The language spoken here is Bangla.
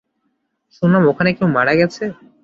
শুনলাম ওখানে কেউ মারা গেছে।